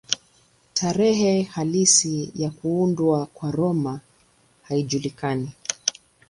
Tarehe halisi ya kuundwa kwa Roma haijulikani.